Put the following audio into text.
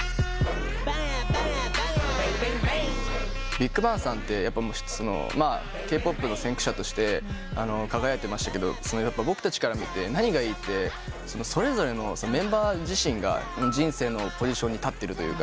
ＢＩＧＢＡＮＧさんってＫ−ＰＯＰの先駆者として輝いてましたけど僕たちから見て何がいいってそれぞれのメンバー自身が人生のポジションに立ってるというか。